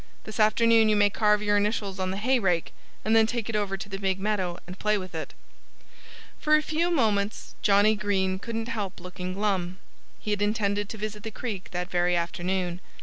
This afternoon you may carve your initials on the hay rake and then take it over to the big meadow and play with it." For a few moments Johnnie Green couldn't help looking glum. He had intended to visit the creek that very afternoon.